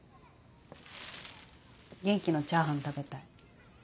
元気のチャーハン食べたい。